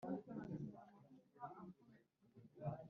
ubutunzi yafashishije abantu mu mibereho ye ya mbere